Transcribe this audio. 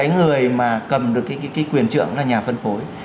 người mà cầm được cái quyền trượng là nhà phân phối